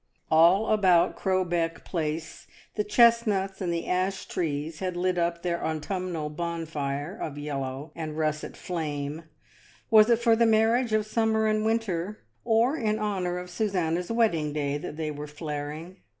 All about Crowbeck Place the chestnuts and the ash trees had lit up their autumnal bonfire of yellow and russet flame; was it for the marriage of summer and winter, or in hon our of Susanna's wedding day, that they were flar ing?